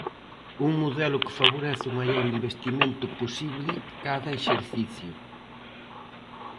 Un modelo que favorece o maior investimento posible cada exercicio.